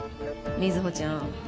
瑞穂ちゃん